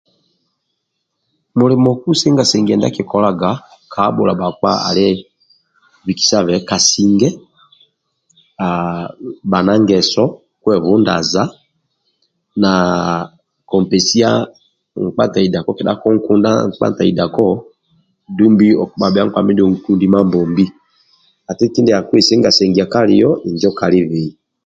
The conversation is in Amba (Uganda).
Mulimo kusenga sengia ndia akikolaga ka habhula bhakpa ali bikisabe kasinge haaa bha na ngeso kwebundaza na kumpesia kedha konkudha nkpa ntaidakao okubhaga bhia nkpa onkundi Mambombi hati kindia kusenga sengia kalio injo kalibei